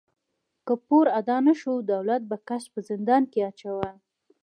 که پور ادا نهشو، دولت به کس په زندان کې اچاوه.